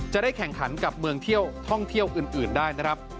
จะได้แข่งขันกับเมืองเที่ยวท่องเที่ยวอื่นได้นะครับ